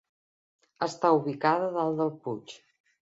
Està ubicada dalt del puig.